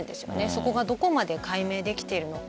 そこがどこまで解明できているのか。